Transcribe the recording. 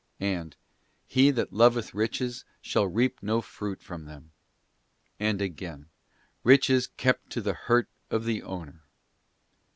'* And, ' He that loveth riches shall reap no fruit from them.'f And again, 'Riches kept to the hurt of the owner.